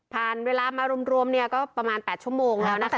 ผ่านเวลามารวมก็ประมาณ๘ชั่วโมงแล้วนะคะ